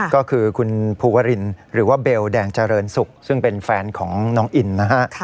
ก็คือคุณภูวรินหรือว่าเบลแดงเจริญศุกร์ซึ่งเป็นแฟนของน้องอินนะฮะ